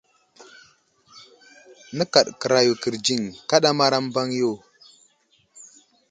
Nəkaɗ kəra yo kərdziŋ ,kaɗamar a mbaŋ yo.